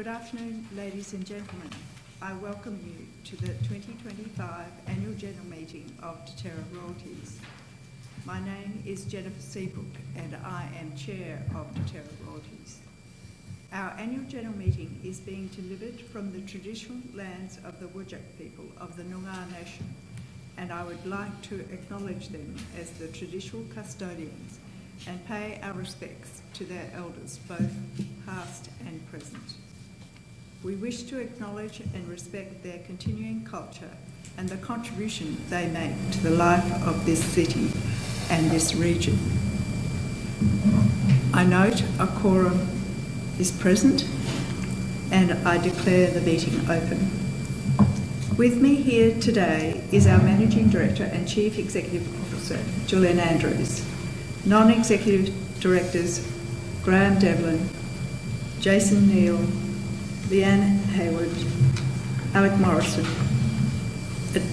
Good afternoon, ladies and gentlemen. I welcome you to the 2025 Annual General Meeting of Deterra Royalties. My name is Jennifer Seabrook, and I am Chair of Deterra Royalties. Our Annual General Meeting is being delivered from the traditional lands of the Whadjuk people of the Noongar Nation, and I would like to acknowledge them as the traditional custodians and pay our respects to their elders, both past and present. We wish to acknowledge and respect their continuing culture and the contribution they make to the life of this city and this region. I note a quorum is present, and I declare the meeting open. With me here today is our Managing Director and Chief Executive Officer, Julian Andrews, Non-Executive Directors, Graeme Devlin, Jason Neal, Leanne Haywood, Alec Morrison,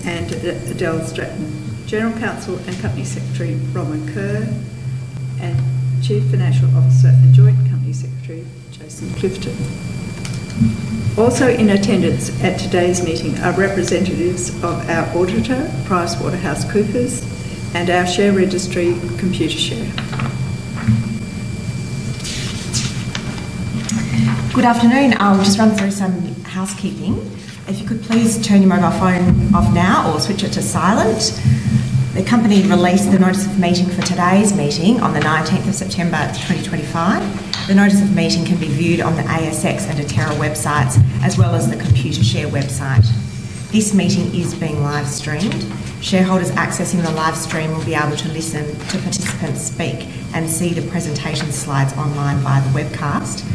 and Adele Stratton, General Counsel and Company Secretary, Bronwyn Kerr, and Chief Financial Officer and Joint Company Secretary, Jason Clifton. Also in attendance at today's meeting are representatives of our Auditor, PricewaterhouseCoopers, and our Share Registry, Computershare. Good afternoon. I'll just run through some housekeeping. If you could please turn your mobile phone off now or switch it to silent. The company released the notice of meeting for today's meeting on the 19th of September 2025. The notice of meeting can be viewed on the ASX and Deterra websites, as well as the Computershare website. This meeting is being live streamed. Shareholders accessing the live stream will be able to listen to participants speak and see the presentation slides online via the webcast,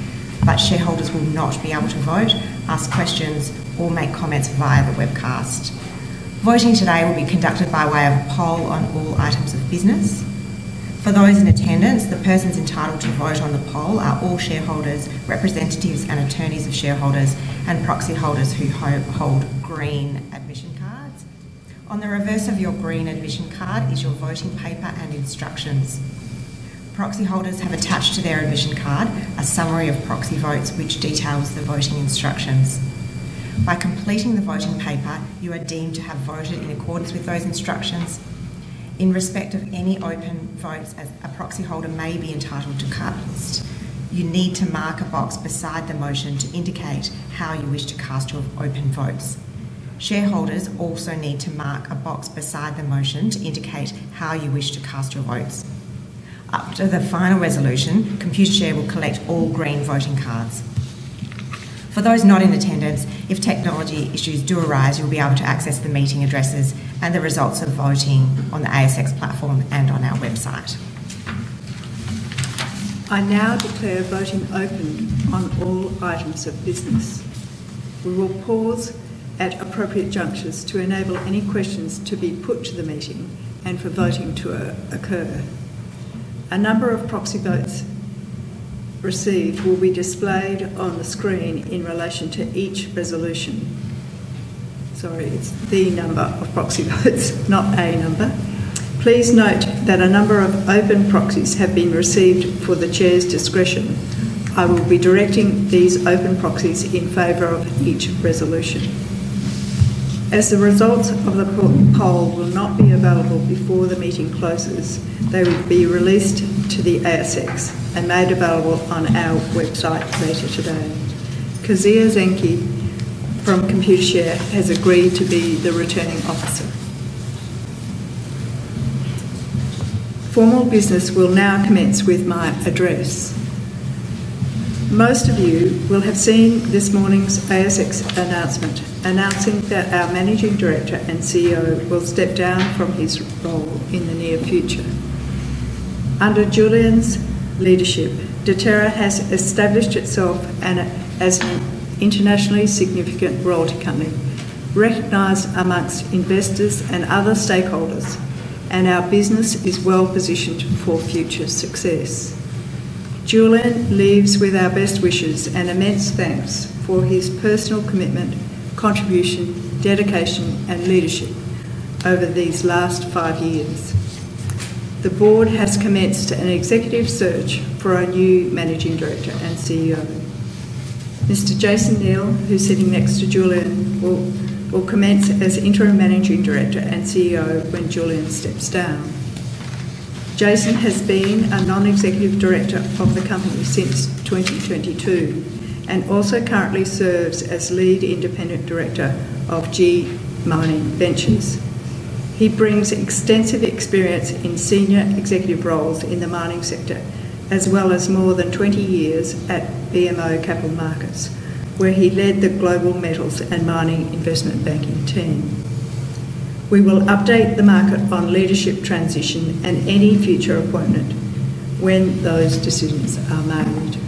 but shareholders will not be able to vote, ask questions, or make comments via the webcast. Voting today will be conducted by way of a poll on all items of business. For those in attendance, the persons entitled to vote on the poll are all shareholders, representatives and attorneys of shareholders, and proxy holders who hold green admission cards. On the reverse of your green admission card is your voting paper and instructions. Proxy holders have attached to their admission card a summary of proxy votes, which details the voting instructions. By completing the voting paper, you are deemed to have voted in accordance with those instructions. In respect of any open votes, a proxy holder may be entitled to cut. You need to mark a box beside the motion to indicate how you wish to cast your open votes. Shareholders also need to mark a box beside the motion to indicate how you wish to cast your votes. After the final resolution, Computershare will collect all green voting cards. For those not in attendance, if technology issues do arise, you'll be able to access the meeting addresses and the results of voting on the ASX platform and on our website. I now declare voting open on all items of business. We will pause at appropriate junctures to enable any questions to be put to the meeting and for voting to occur. The number of proxy votes received will be displayed on the screen in relation to each resolution. Sorry, it's the number of proxy votes, not a number. Please note that a number of open proxies have been received for the Chair's discretion. I will be directing these open proxies in favor of each resolution. As the results of the poll will not be available before the meeting closes, they will be released to the ASX and made available on our website later today. Kazia Zenke from Computershare has agreed to be the returning officer. Formal business will now commence with my address. Most of you will have seen this morning's ASX announcement, announcing that our Managing Director and CEO will step down from his role in the near future. Under Julian's leadership, Deterra has established itself as an internationally significant royalty company, recognized amongst investors and other stakeholders, and our business is well positioned for future success. Julian leaves with our best wishes and immense thanks for his personal commitment, contribution, dedication, and leadership over these last five years. The Board has commenced an executive search for our new Managing Director and CEO. Mr. Jason Neal, who's sitting next to Julian, will commence as Interim Managing Director and CEO when Julian steps down. Jason has been a Non-Executive Director of the company since 2022 and also currently serves as Lead Independent Director of G Mining Ventures. He brings extensive experience in senior executive roles in the mining sector, as well as more than 20 years at BMO Capital Markets, where he led the global metals and mining investment banking team. We will update the market on leadership transition and any future appointment when those decisions are made.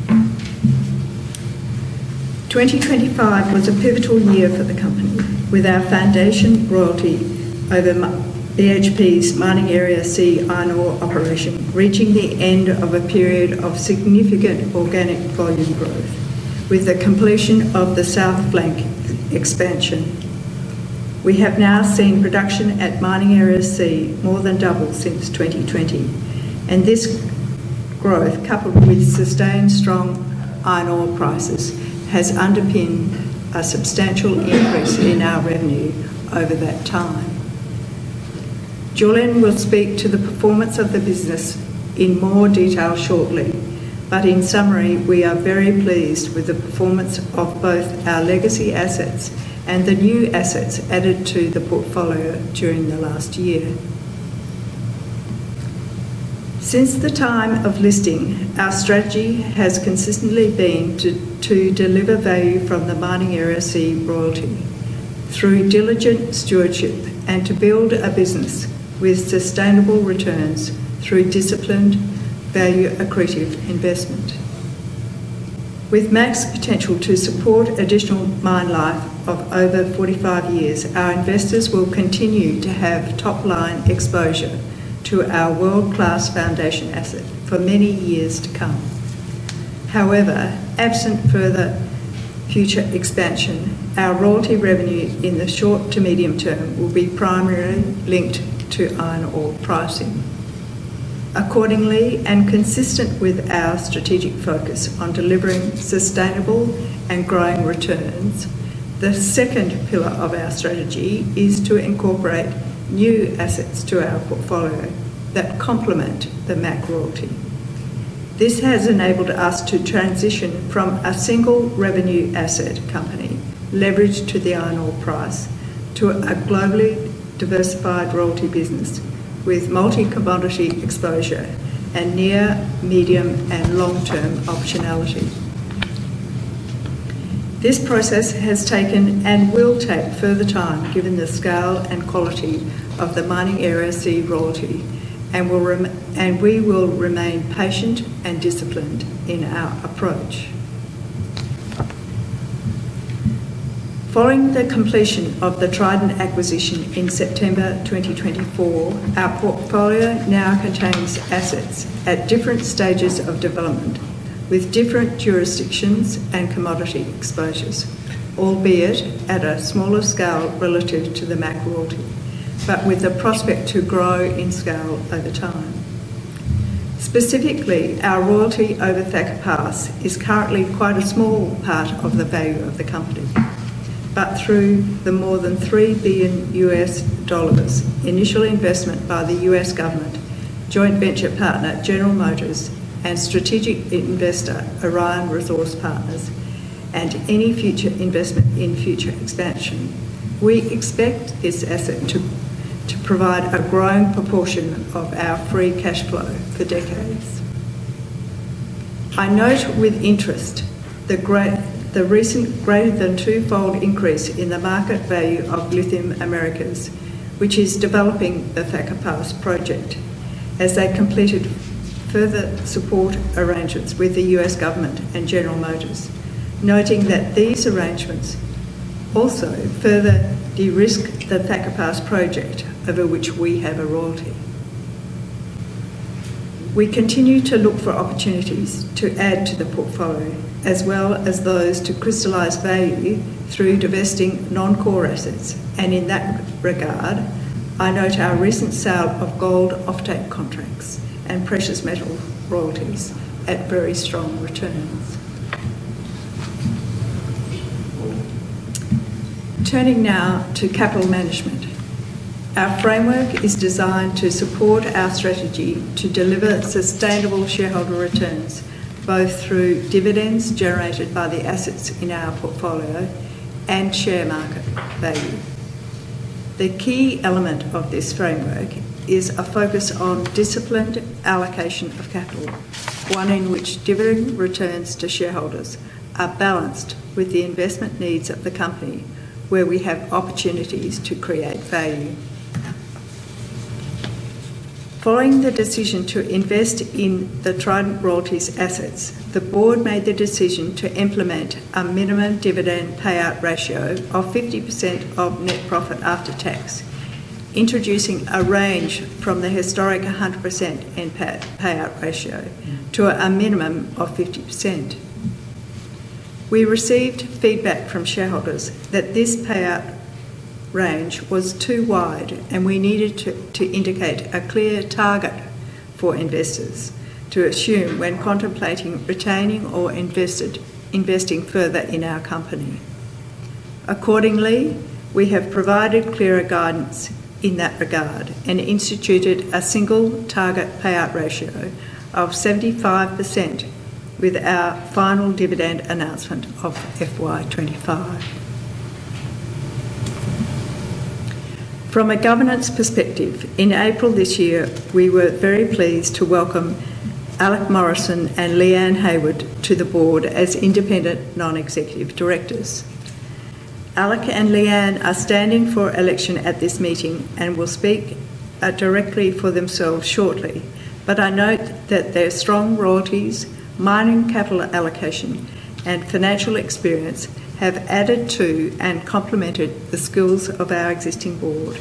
2025 was a pivotal year for the company, with our foundation royalty over BHP's Mining Area C, in our operation reaching the end of a period of significant organic volume growth. With the completion of the South Flank expansion, we have now seen production at Mining Area C more than double since 2020, and this growth, coupled with sustained strong iron ore prices, has underpinned a substantial increase in our revenue over that time. Julian will speak to the performance of the business in more detail shortly, but in summary, we are very pleased with the performance of both our legacy assets and the new assets added to the portfolio during the last year. Since the time of listing, our strategy has consistently been to deliver value from the Mining Area C royalty through diligent stewardship and to build a business with sustainable returns through disciplined, value-accretive investment. With max potential to support additional mine life of over 45 years, our investors will continue to have top-line exposure to our world-class foundation asset for many years to come. However, absent further future expansion, our royalty revenue in the short to medium term will be primarily linked to iron ore pricing. Accordingly, and consistent with our strategic focus on delivering sustainable and growing returns, the second pillar of our strategy is to incorporate new assets to our portfolio that complement the MAC royalty. This has enabled us to transition from a single revenue asset company, leveraged to the iron ore price, to a globally diversified royalty business with multi-commodity exposure and near, medium, and long-term optionality. This process has taken and will take further time given the scale and quality of the Mining Area C royalty, and we will remain patient and disciplined in our approach. Following the completion of the Trident acquisition in September 2024, our portfolio now contains assets at different stages of development with different jurisdictions and commodity exposures, albeit at a smaller scale relative to the MAC royalty, but with a prospect to grow in scale over time. Specifically, our royalty over Thacker Pass is currently quite a small part of the value of the company, but through the more than $3 billion initial investment by the U.S. government, joint venture partner General Motors, and strategic investor Orion Resource Partners, and any future investment in future expansion, we expect this asset to provide a growing proportion of our free cash flow for decades. I note with interest the recent greater than twofold increase in the market value of Lithium Americas, which is developing the Thacker Pass project, as they completed further support arrangements with the U.S. government and General Motors, noting that these arrangements also further de-risk the Thacker Pass project, over which we have a royalty. We continue to look for opportunities to add to the portfolio, as well as those to crystallize value through divesting non-core assets, and in that regard, I note our recent sale of gold offtake contracts and precious metal royalties at very strong returns. Turning now to capital management, our framework is designed to support our strategy to deliver sustainable shareholder returns, both through dividends generated by the assets in our portfolio and share market value. The key element of this framework is a focus on disciplined allocation of capital, one in which dividend returns to shareholders are balanced with the investment needs of the company, where we have opportunities to create value. Following the decision to invest in the Trident Royalties assets, the board made the decision to implement a minimum dividend payout ratio of 50% of net profit after tax, introducing a range from the historic 100% end payout ratio to a minimum of 50%. We received feedback from shareholders that this payout range was too wide, and we needed to indicate a clear target for investors to assume when contemplating retaining or investing further in our company. Accordingly, we have provided clearer guidance in that regard and instituted a single target payout ratio of 75% with our final dividend announcement of FY2025. From a governance perspective, in April this year, we were very pleased to welcome Alec Morrison and Leanne Haywood to the board as Independent Non-Executive Directors. Alec and Leanne are standing for election at this meeting and will speak directly for themselves shortly, but I note that their strong royalties, mining capital allocation, and financial experience have added to and complemented the skills of our existing board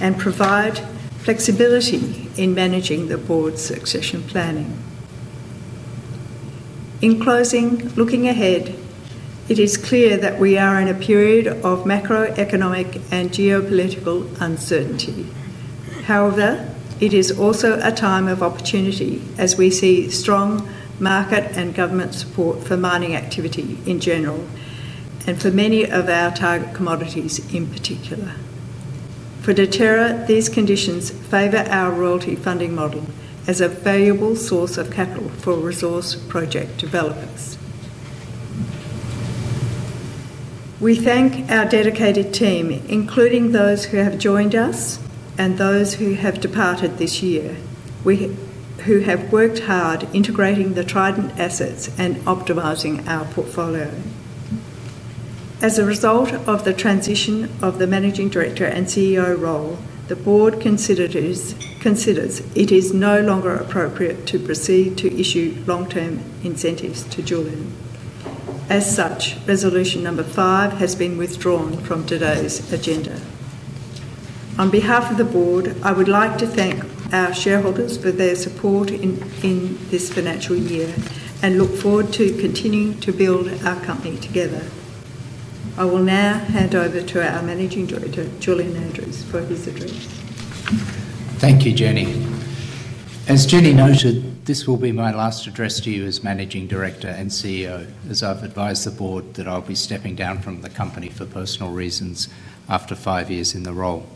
and provide flexibility in managing the board's succession planning. In closing, looking ahead, it is clear that we are in a period of macroeconomic and geopolitical uncertainty. However, it is also a time of opportunity as we see strong market and government support for mining activity in general and for many of our target commodities in particular. For Deterra, these conditions favor our royalty funding model as a valuable source of capital for resource project developments. We thank our dedicated team, including those who have joined us and those who have departed this year, who have worked hard integrating the Trident assets and optimizing our portfolio. As a result of the transition of the Managing Director and CEO role, the board considers it is no longer appropriate to proceed to issue long-term incentives to Julian. As such, Resolution Number 5 has been withdrawn from today's agenda. On behalf of the board, I would like to thank our shareholders for their support in this financial year and look forward to continuing to build our company together. I will now hand over to our Managing Director, Julian Andrews, for his address. Thank you, Jenny. As Jenny noted, this will be my last address to you as Managing Director and CEO, as I've advised the board that I'll be stepping down from the company for personal reasons after five years in the role.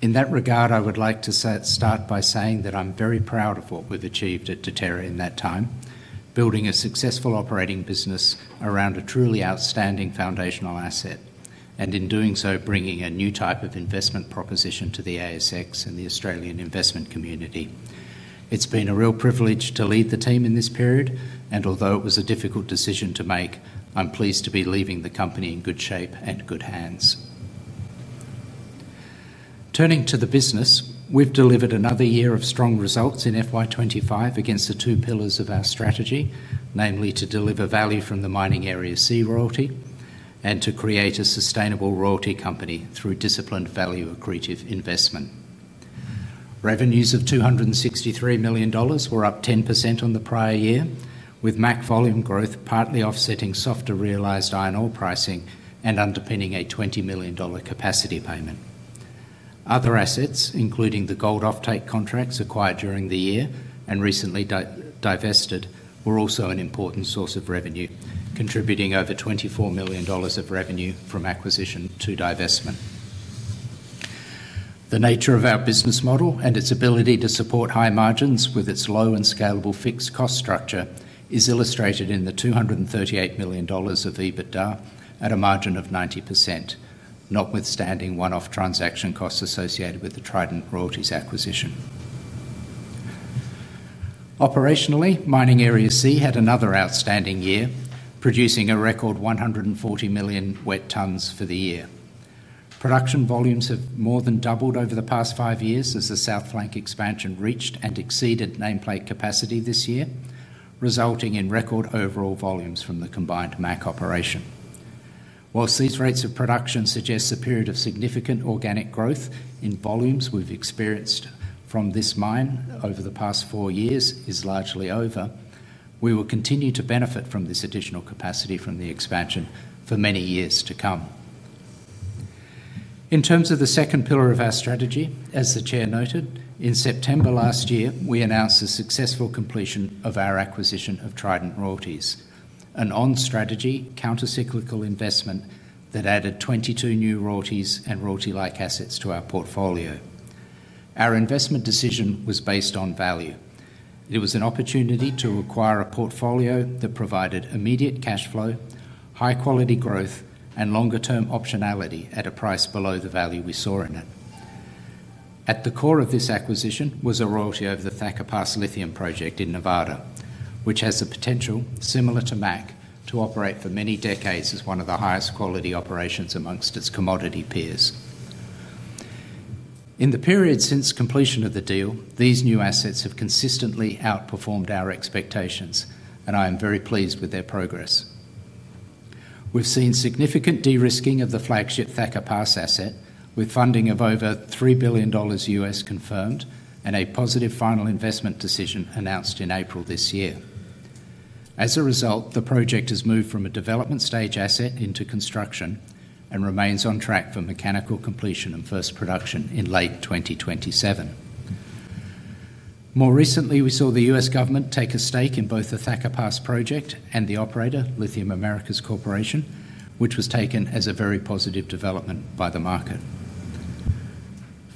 In that regard, I would like to start by saying that I'm very proud of what we've achieved at Deterra in that time, building a successful operating business around a truly outstanding foundational asset, and in doing so, bringing a new type of investment proposition to the ASX and the Australian investment community. It's been a real privilege to lead the team in this period, and although it was a difficult decision to make, I'm pleased to be leaving the company in good shape and good hands. Turning to the business, we've delivered another year of strong results in FY2025 against the two pillars of our strategy, namely to deliver value from the Mining Area C royalty and to create a sustainable royalty company through disciplined value-accretive investment. Revenues of $263 million were up 10% on the prior year, with MAC volume growth partly offsetting softer realized iron ore pricing and underpinning a $20 million capacity payment. Other assets, including the gold offtake contracts acquired during the year and recently divested, were also an important source of revenue, contributing over $24 million of revenue from acquisition to divestment. The nature of our business model and its ability to support high margins with its low and scalable fixed cost structure is illustrated in the $238 million of EBITDA at a margin of 90%, notwithstanding one-off transaction costs associated with the Trident Royalties acquisition. Operationally, Mining Area C had another outstanding year, producing a record 140 million wet tons for the year. Production volumes have more than doubled over the past five years as the South Flank expansion reached and exceeded nameplate capacity this year, resulting in record overall volumes from the combined MAC operation. While C's rates of production suggest a period of significant organic growth in volumes we've experienced from this mine over the past four years is largely over, we will continue to benefit from this additional capacity from the expansion for many years to come. In terms of the second pillar of our strategy, as the Chair noted, in September last year, we announced the successful completion of our acquisition of Trident Royalties, an on-strategy countercyclical investment that added 22 new royalties and royalty-like assets to our portfolio. Our investment decision was based on value. It was an opportunity to acquire a portfolio that provided immediate cash flow, high-quality growth, and longer-term optionality at a price below the value we saw in it. At the core of this acquisition was a royalty over the Thacker Pass lithium project in Nevada, which has the potential, similar to MAC, to operate for many decades as one of the highest quality operations amongst its commodity peers. In the period since completion of the deal, these new assets have consistently outperformed our expectations, and I am very pleased with their progress. We've seen significant de-risking of the flagship Thacker Pass asset, with funding of over $3 billion confirmed and a positive final investment decision announced in April this year. As a result, the project has moved from a development stage asset into construction and remains on track for mechanical completion and first production in late 2027. More recently, we saw the U.S. government take a stake in both the Thacker Pass project and the operator, Lithium Americas, which was taken as a very positive development by the market.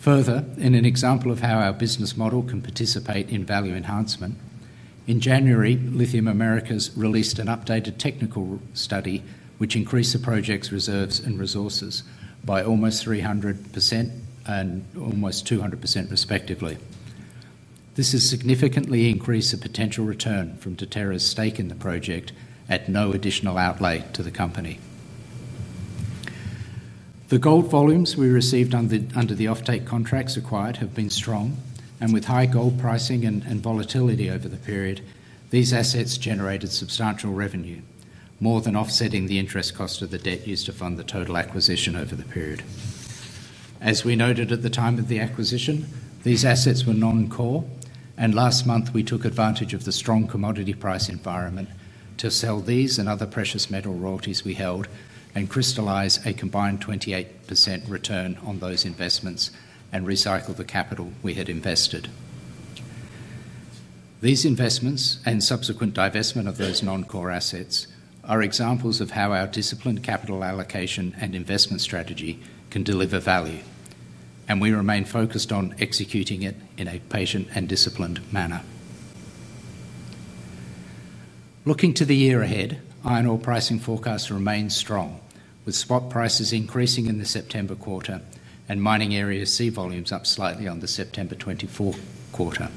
Further, in an example of how our business model can participate in value enhancement, in January, Lithium Americas released an updated technical study, which increased the project's reserves and resources by almost 300% and almost 200% respectively. This has significantly increased the potential return from Deterra's stake in the project at no additional outlay to the company. The gold volumes we received under the gold offtake contracts acquired have been strong, and with high gold pricing and volatility over the period, these assets generated substantial revenue, more than offsetting the interest cost of the debt used to fund the total acquisition over the period. As we noted at the time of the acquisition, these assets were non-core, and last month we took advantage of the strong commodity price environment to sell these and other precious metal royalties we held and crystallize a combined 28% return on those investments and recycle the capital we had invested. These investments and subsequent divestment of those non-core assets are examples of how our disciplined capital allocation and investment strategy can deliver value, and we remain focused on executing it in a patient and disciplined manner. Looking to the year ahead, iron ore pricing forecast remains strong, with spot prices increasing in the September quarter and MAC volumes up slightly on the September 2024 quarter.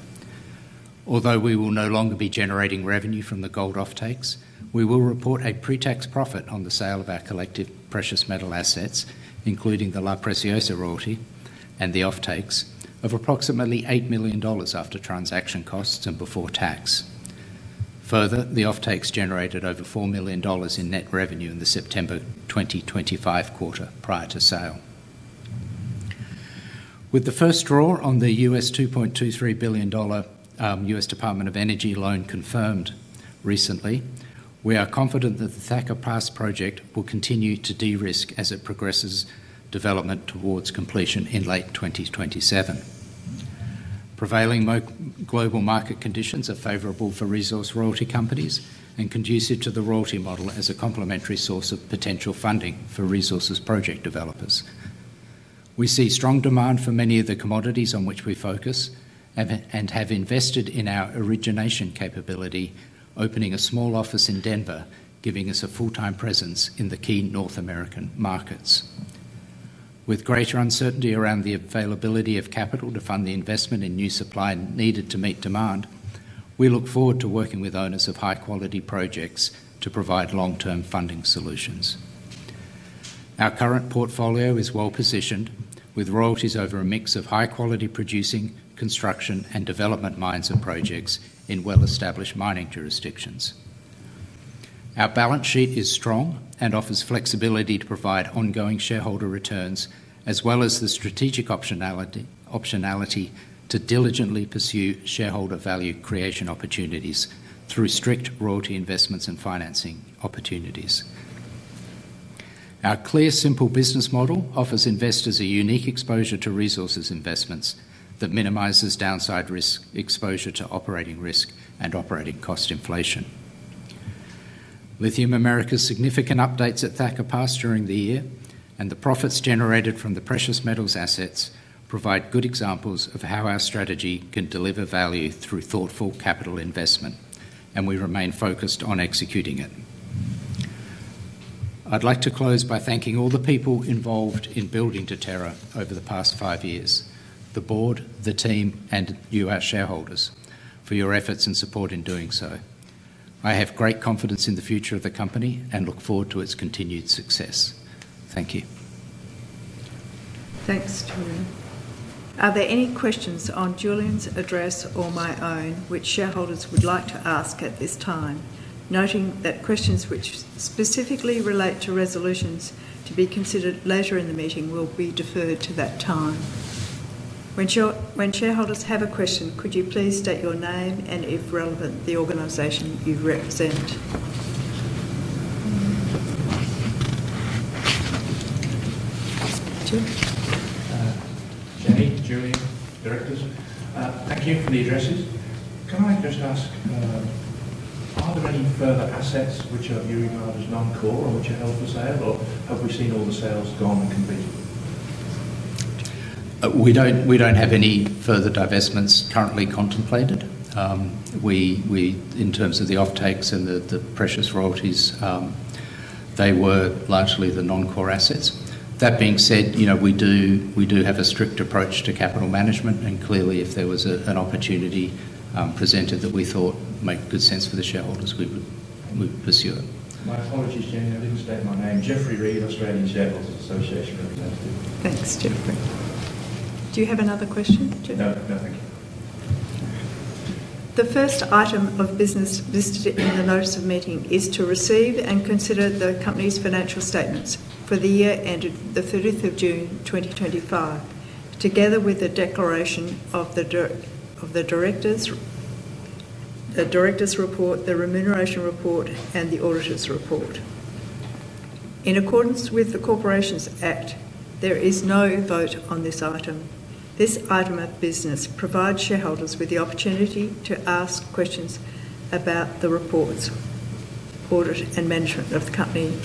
Although we will no longer be generating revenue from the gold offtake contracts, we will report a pre-tax profit on the sale of our collective precious metal assets, including the La Preciosa royalty and the offtake contracts, of approximately $8 million after transaction costs and before tax. Further, the offtake contracts generated over $4 million in net revenue in the September 2025 quarter prior to sale. With the first draw on the $2.23 billion U.S. Department of Energy loan confirmed recently, we are confident that the Thacker Pass project will continue to de-risk as it progresses development towards completion in late 2027. Prevailing global market conditions are favorable for resource royalty companies and conducive to the royalty model as a complementary source of potential funding for resources project developers. We see strong demand for many of the commodities on which we focus and have invested in our origination capability, opening a small office in Denver, giving us a full-time presence in the key North American markets. With greater uncertainty around the availability of capital to fund the investment in new supply needed to meet demand, we look forward to working with owners of high-quality projects to provide long-term funding solutions. Our current portfolio is well positioned, with royalties over a mix of high-quality producing, construction, and development mines and projects in well-established mining jurisdictions. Our balance sheet is strong and offers flexibility to provide ongoing shareholder returns, as well as the strategic optionality to diligently pursue shareholder value creation opportunities through strict royalty investments and financing opportunities. Our clear, simple business model offers investors a unique exposure to resources investments that minimizes downside risk, exposure to operating risk, and operating cost inflation. Lithium Americas' significant updates at Thacker Pass during the year and the profits generated from the precious metals assets provide good examples of how our strategy can deliver value through thoughtful capital investment, and we remain focused on executing it. I'd like to close by thanking all the people involved in building Deterra over the past five years, the Board, the team, and you, our shareholders, for your efforts and support in doing so. I have great confidence in the future of the company and look forward to its continued success. Thank you. Thanks, Julian. Are there any questions on Julian's address or my own, which shareholders would like to ask at this time, noting that questions which specifically relate to resolutions to be considered later in the meeting will be deferred to that time? When shareholders have a question, could you please state your name and, if relevant, the organization you represent? Jenny, Julian, Directors, thank you for the addresses. Can I just ask, are there any further assets which are viewing now as non-core and which are held for sale, or have we seen all the sales gone and completed? We don't have any further divestments currently contemplated. In terms of the offtakes and the precious royalties, they were largely the non-core assets. That being said, we do have a strict approach to capital management, and clearly, if there was an opportunity presented that we thought made good sense for the shareholders, we would pursue it. My apologies, Jenny. I didn't state my name. Geoffrey Reed, Australian Shareholders Association, representing. Thanks, Geoffrey. Do you have another question, Geoffrey? No, thank you. The first item of business listed in the notice of meeting is to receive and consider the company's financial statements for the year ended the 30th of June 2025, together with the declaration of the directors, the directors' report, the remuneration report, and the auditor's report. In accordance with the Corporations Act, there is no vote on this item. This item of business provides shareholders with the opportunity to ask questions about the reports, audit, and management of the company.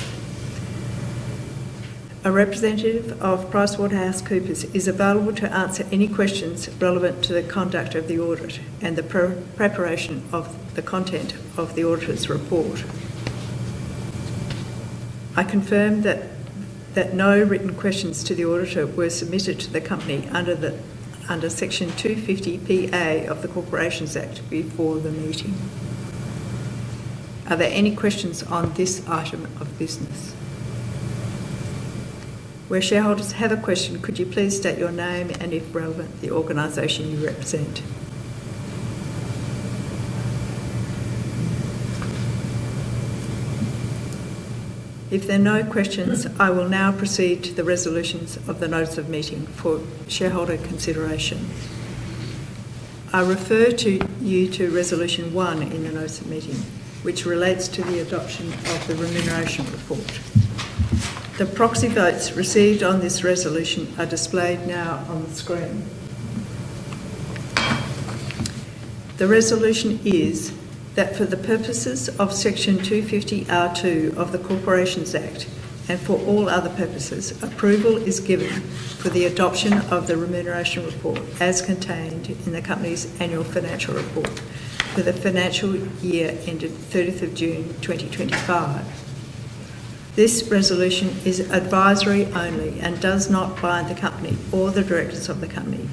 A representative of PricewaterhouseCoopers is available to answer any questions relevant to the conduct of the audit and the preparation of the content of the auditor's report. I confirm that no written questions to the auditor were submitted to the company under Section 250PA of the Corporations Act before the meeting. Are there any questions on this item of business? Where shareholders have a question, could you please state your name and, if relevant, the organization you represent? If there are no questions, I will now proceed to the resolutions of the notice of meeting for shareholder consideration. I refer you to Resolution 1 in the notice of meeting, which relates to the adoption of the remuneration report. The proxy votes received on this resolution are displayed now on the screen. The resolution is that for the purposes of Section 250R(2) of the Corporations Act and for all other purposes, approval is given for the adoption of the remuneration report as contained in the company's annual financial report for the financial year ended 30th of June 2025. This resolution is advisory only and does not bind the company or the directors of the company.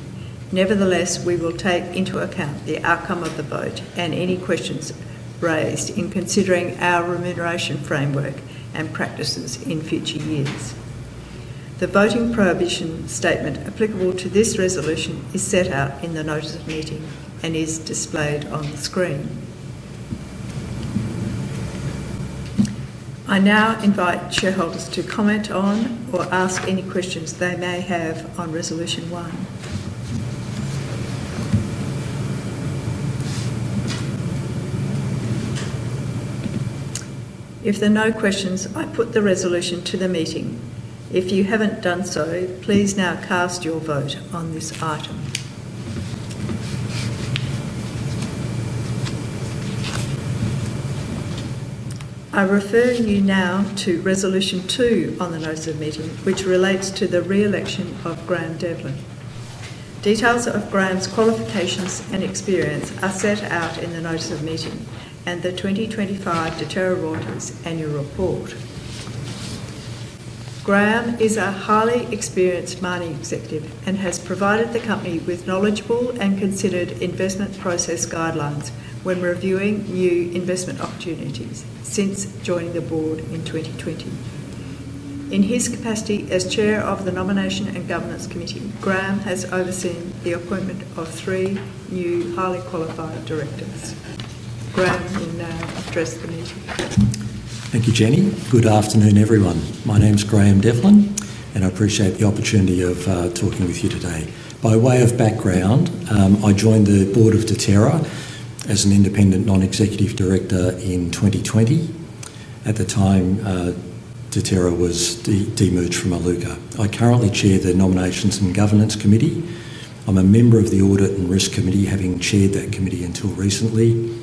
Nevertheless, we will take into account the outcome of the vote and any questions raised in considering our remuneration framework and practices in future years. The voting prohibition statement applicable to this resolution is set out in the notice of meeting and is displayed on the screen. I now invite shareholders to comment on or ask any questions they may have on Resolution 1. If there are no questions, I put the resolution to the meeting. If you haven't done so, please now cast your vote on this item. I refer you now to Resolution 2 on the notice of meeting, which relates to the re-election of Graeme Devlin. Details of Graeme's qualifications and experience are set out in the notice of meeting and the 2025 Deterra Royalties annual report. Graeme is a highly experienced mining executive and has provided the company with knowledgeable and considered investment process guidelines when reviewing new investment opportunities since joining the board in 2020. In his capacity as Chair of the Nomination and Governance Committee, Graeme has overseen the appointment of three new highly qualified directors. Graeme, you may now address the meeting. Thank you, Jenny. Good afternoon, everyone. My name is Graeme Devlin, and I appreciate the opportunity of talking with you today. By way of background, I joined the board of Deterra as an Independent Non-Executive Director in 2020. At the time, Deterra was de-merged from Iluka. I currently chair the Nominations and Governance Committee. I'm a member of the Audit and Risk Committee, having chaired that committee until recently,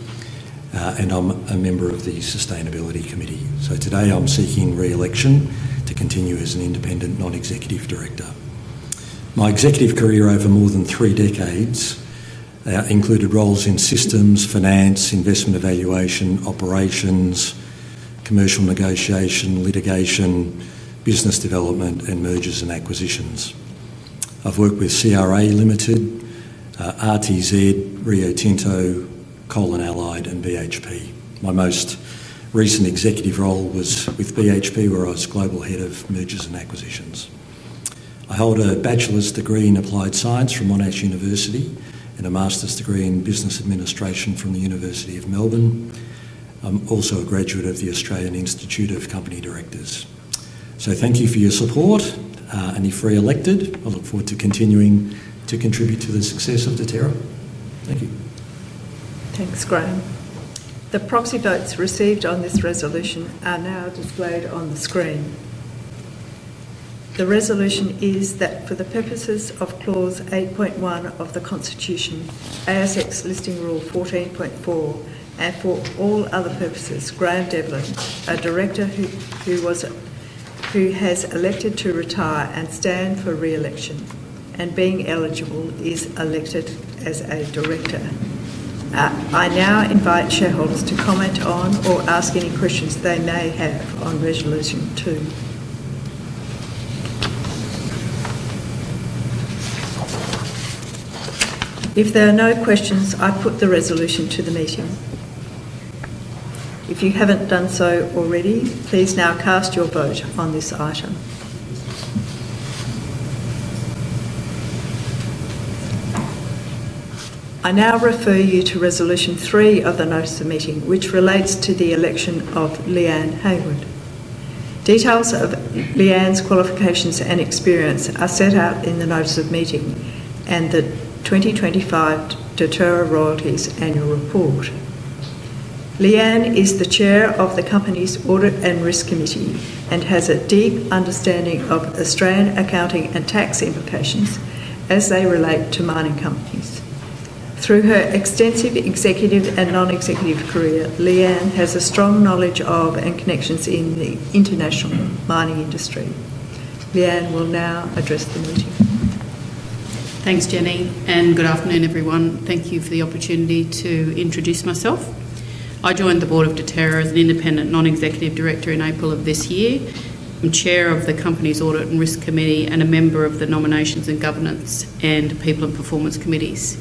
and I'm a member of the Sustainability Committee. Today, I'm seeking re-election to continue as an Independent Non-Executive Director. My executive career over more than three decades included roles in systems, finance, investment evaluation, operations, commercial negotiation, litigation, business development, and mergers and acquisitions. I've worked with CRA Limited, RTZ, Rio Tinto, Coal and Allied, and BHP. My most recent executive role was with BHP, where I was Global Head of Mergers and Acquisitions. I hold a bachelor's degree in applied science from Monash University and a master's degree in business administration from the University of Melbourne. I'm also a graduate of the Australian Institute of Company Directors. Thank you for your support, and if re-elected, I look forward to continuing to contribute to the success of Deterra. Thank you. Thanks, Graeme. The proxy votes received on this resolution are now displayed on the screen. The resolution is that for the purposes of clause 8.1 of the Constitution, ASX Listing Rule 14.4, and for all other purposes, Graeme Devlin, a Director who has elected to retire and stand for re-election and being eligible, is elected as a Director. I now invite shareholders to comment on or ask any questions they may have on Resolution 2. If there are no questions, I put the resolution to the meeting. If you haven't done so already, please now cast your vote on this item. I now refer you to Resolution 3 of the notice of meeting, which relates to the election of Leanne Haywood. Details of Leanne's qualifications and experience are set out in the notice of meeting and the 2025 Deterra Royalties Annual Report. Leanne is the Chair of the company's Audit and Risk Committee and has a deep understanding of Australian accounting and tax implications as they relate to mining companies. Through her extensive executive and non-executive career, Leanne has a strong knowledge of and connections in the international mining industry. Leanne will now address the meeting. Thanks, Jenny, and good afternoon, everyone. Thank you for the opportunity to introduce myself. I joined the board of Deterra as an Independent Non-Executive Director in April of this year. I'm Chair of the company's Audit and Risk Committee and a member of the Nominations and Governance and People and Performance Committees.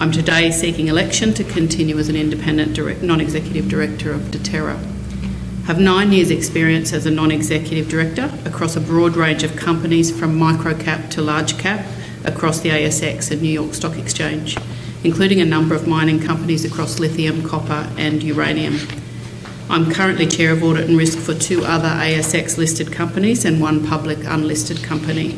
I'm today seeking election to continue as an Independent Non-Executive Director of Deterra. I have nine years' experience as a Non-Executive Director across a broad range of companies from micro-cap to large-cap across the ASX and New York Stock Exchange, including a number of mining companies across lithium, copper, and uranium. I'm currently Chair of Audit and Risk for two other ASX-listed companies and one public unlisted company.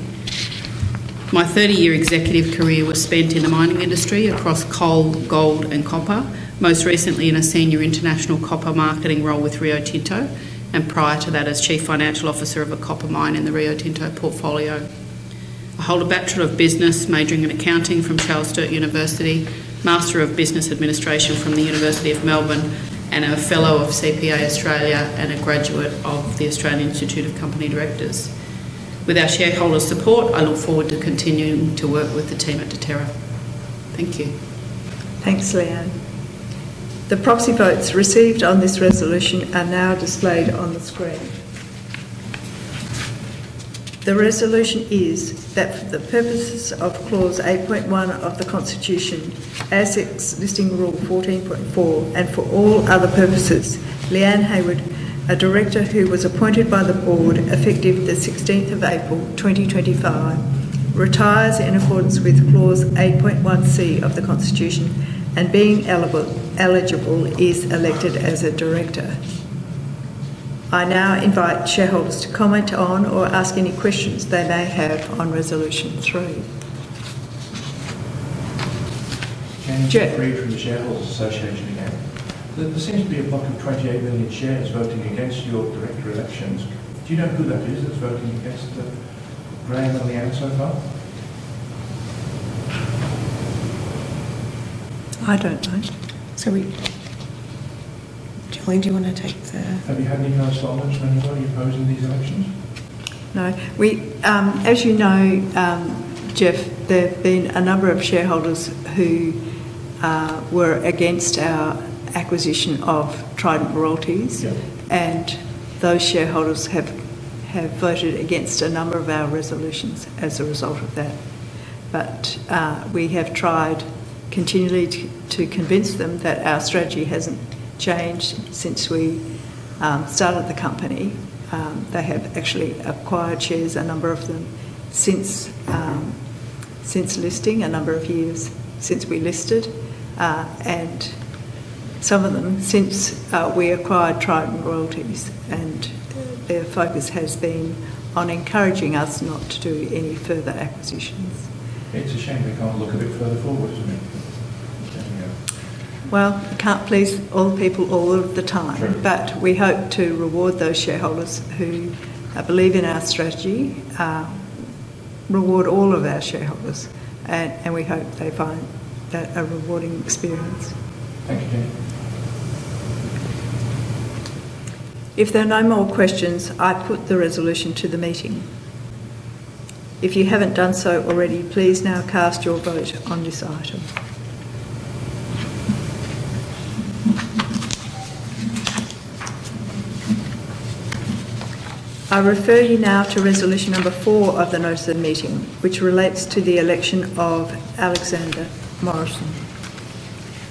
My 30-year executive career was spent in the mining industry across coal, gold, and copper, most recently in a senior international copper marketing role with Rio Tinto and prior to that as Chief Financial Officer of a copper mine in the Rio Tinto portfolio. I hold a Bachelor of Business majoring in Accounting from Charles Sturt University, Master of Business Administration from the University of Melbourne, and a Fellow of CPA Australia and a graduate of the Australian Institute of Company Directors. With our shareholder support, I look forward to continuing to work with the team at Deterra. Thank you. Thanks, Leanne. The proxy votes received on this resolution are now displayed on the screen. The resolution is that for the purposes of clause 8.1 of the Constitution, ASX Listing Rule 14.4, and for all other purposes, Leanne Haywood, a Director who was appointed by the Board effective the 16th of April 2025, retires in accordance with clause 8.1(c) of the Constitution and, being eligible, is elected as a Director. I now invite shareholders to comment on or ask any questions they may have on Resolution 3. Geoffrey Reed from the Shareholders Association again. There seems to be a block of 28 million shares voting against your director elections. Do you know who that is that's voting against Graeme and Leanne so far? I don't know. Julian, do you want to take the... Have you had any high stallage from anybody opposing these elections? No. As you know, Geoff, there have been a number of shareholders who were against our acquisition of Trident Royalties, and those shareholders have voted against a number of our resolutions as a result of that. We have tried continually to convince them that our strategy hasn't changed since we started the company. They have actually acquired shares, a number of them, since listing, a number of years since we listed, and some of them since we acquired Trident Royalties, and their focus has been on encouraging us not to do any further acquisitions. It's a shame they can't look a bit further forward, isn't it? We can't please all the people all of the time, but we hope to reward those shareholders who believe in our strategy, reward all of our shareholders, and we hope they find that a rewarding experience. Thank you, Jenny. If there are no more questions, I put the resolution to the meeting. If you haven't done so already, please now cast your vote on this item. I refer you now to Resolution Number 4 of the notice of meeting, which relates to the election of Alexander Morrison.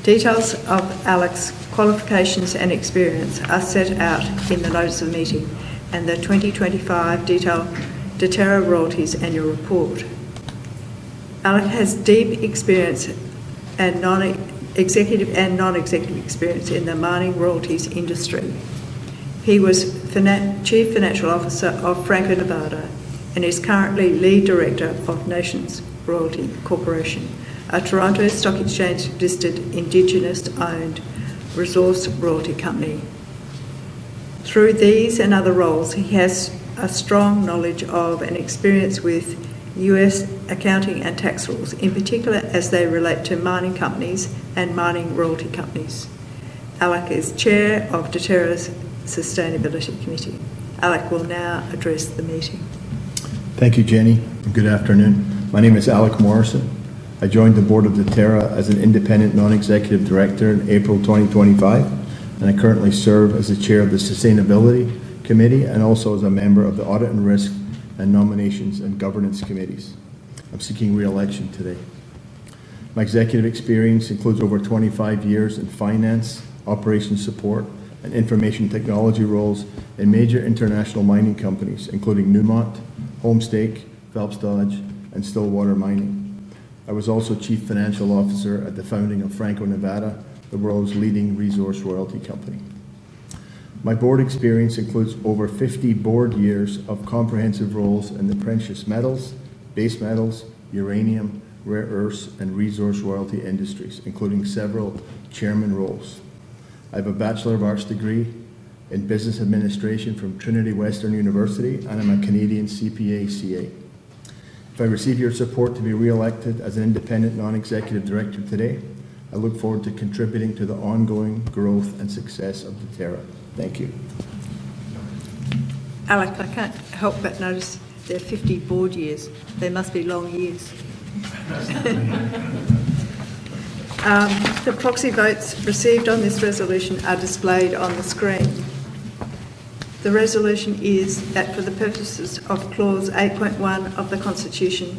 Details of Alec's qualifications and experience are set out in the notice of meeting and the 2025 Deterra Royalties Annual Report. Alec has deep experience and non-executive experience in the mining royalties industry. He was Chief Financial Officer of Franco-Nevada and is currently Lead Director of Nations Royalty Corporation, a Toronto Stock Exchange-listed Indigenous-owned resource royalty company. Through these and other roles, he has a strong knowledge of and experience with U.S. accounting and tax rules, in particular as they relate to mining companies and mining royalty companies. Alec is Chair of Deterra's Sustainability Committee. Alec will now address the meeting. Thank you, Jenny, and good afternoon. My name is Alec Morrison. I joined the board of Deterra as an Independent Non-Executive Director in April 2025, and I currently serve as the Chair of the Sustainability Committee and also as a member of the Audit and Risk and Nominations and Governance Committees. I'm seeking re-election today. My executive experience includes over 25 years in finance, operations support, and information technology roles in major international mining companies, including Newmont, Homestake, Phelps Dodge, and Stillwater Mining. I was also Chief Financial Officer at the founding of Franco-Nevada, the world's leading resource royalty company. My board experience includes over 50 board years of comprehensive roles in the precious metals, base metals, uranium, rare earths, and resource royalty industries, including several Chairman roles. I have a Bachelor of Arts degree in Business Administration from Trinity Western University, and I'm a Canadian CPA CA. If I receive your support to be re-elected as an Independent Non-Executive Director today, I look forward to contributing to the ongoing growth and success of Deterra. Thank you. Alec, I can't help but notice there are 50 board years. They must be long years. The proxy votes received on this resolution are displayed on the screen. The resolution is that for the purposes of clause 8.1 of the Constitution,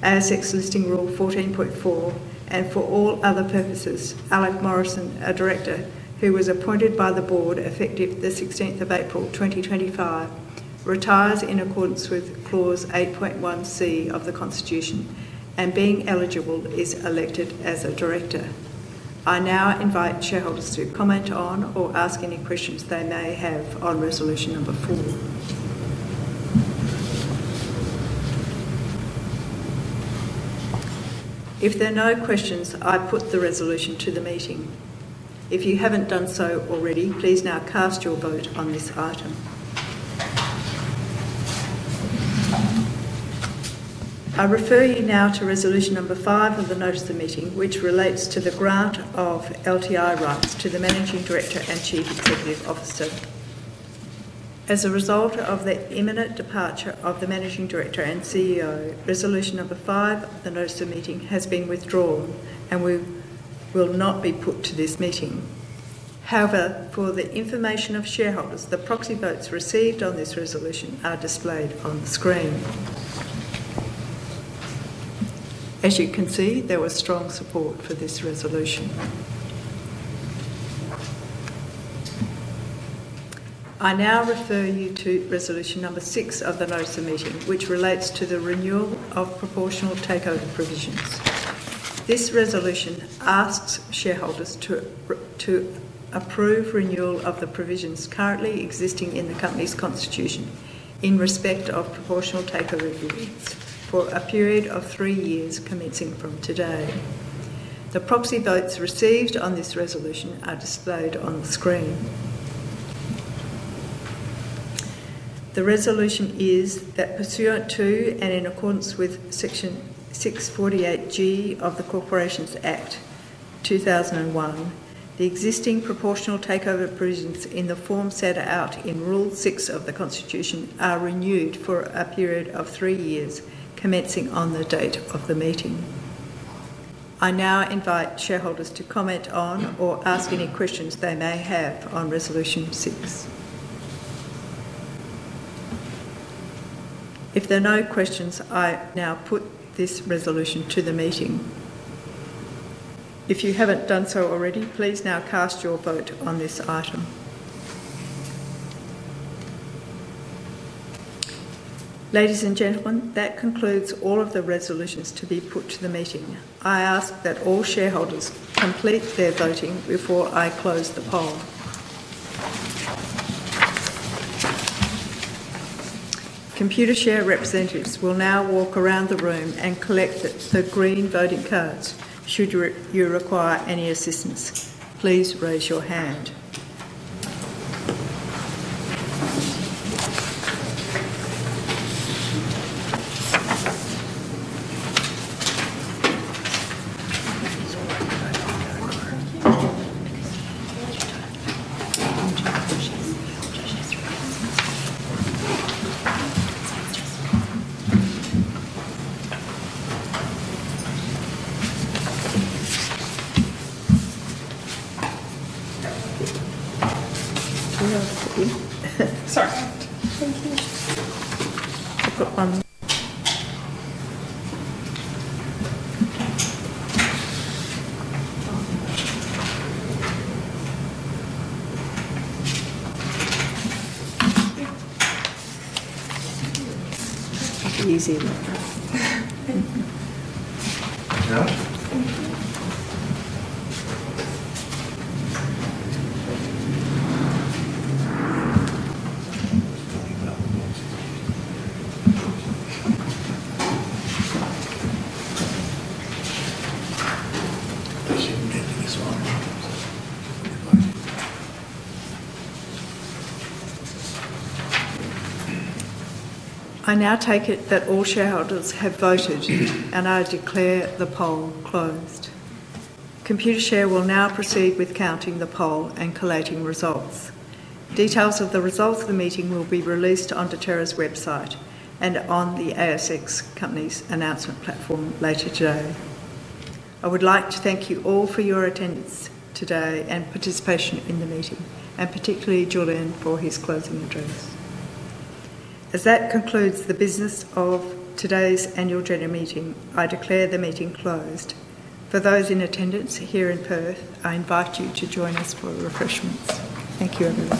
ASX Listing Rule 14.4, and for all other purposes, Alec Morrison, a Director who was appointed by the Board effective the 16th of April 2025, retires in accordance with clause 8.1(c) of the Constitution and being eligible is elected as a Director. I now invite shareholders to comment on or ask any questions they may have on Resolution Number 4. If there are no questions, I put the resolution to the meeting. If you haven't done so already, please now cast your vote on this item. I refer you now to Resolution Number 5 of the notice of the meeting, which relates to the grant of LTI rights to the Managing Director and Chief Executive Officer. As a result of the imminent departure of the Managing Director and CEO, Resolution Number 5 of the notice of the meeting has been withdrawn and will not be put to this meeting. However, for the information of shareholders, the proxy votes received on this resolution are displayed on the screen. As you can see, there was strong support for this resolution. I now refer you to Resolution Number 6 of the notice of the meeting, which relates to the renewal of proportional takeover provisions. This resolution asks shareholders to approve renewal of the provisions currently existing in the company's Constitution in respect of proportional takeover agreements for a period of three years commencing from today. The proxy votes received on this resolution are displayed on the screen. The resolution is that pursuant to and in accordance with Section 648(g) of the Corporations Act, 2001, the existing proportional takeover provisions in the form set out in Rule 6 of the Constitution are renewed for a period of three years commencing on the date of the meeting. I now invite shareholders to comment on or ask any questions they may have on Resolution 6. If there are no questions, I now put this resolution to the meeting. If you haven't done so already, please now cast your vote on this item. Ladies and gentlemen, that concludes all of the resolutions to be put to the meeting. I ask that all shareholders complete their voting before I close the poll. Computeshare representatives will now walk around the room and collect the green voting cards. Should you require any assistance, please raise your hand. Sorry. Thank you. I now take it that all shareholders have voted, and I declare the poll closed. Computershare will now proceed with counting the poll and collating results. Details of the results of the meeting will be released on Deterra's website and on the ASX company's announcement platform later today. I would like to thank you all for your attendance today and participation in the meeting, and particularly Julian for his closing address. As that concludes the business of today's Annual General Meeting, I declare the meeting closed. For those in attendance here in Perth, I invite you to join us for refreshments. Thank you, everyone.